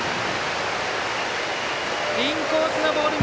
インコースのボール